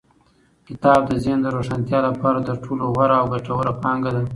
کتاب د ذهن د روښانتیا لپاره تر ټولو غوره او ګټوره پانګه ده.